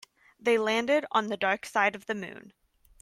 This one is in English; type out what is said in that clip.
They landed on the dark side of the moon.